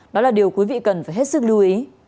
đó là điều quý vị cần phải hết sức lưu ý